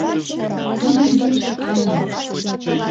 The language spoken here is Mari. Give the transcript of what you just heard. Тудын лӱмжӧ Ана.